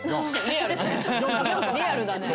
リアルだね。